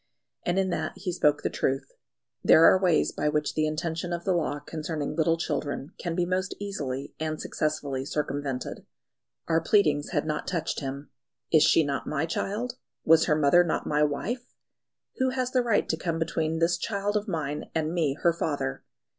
And in that he spoke the truth. There are ways by which the intention of the law concerning little children can be most easily and successfully circumvented. Our pleadings had not touched him. "Is she not my child? Was her mother not my wife? Who has the right to come between this child of mine and me her father?"